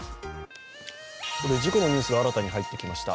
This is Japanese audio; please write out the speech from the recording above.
事故のニュースが新たに入ってきました。